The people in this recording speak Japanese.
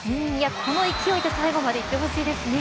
この勢いで最後までいってほしいですね。